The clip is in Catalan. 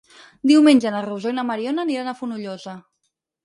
Diumenge na Rosó i na Mariona aniran a Fonollosa.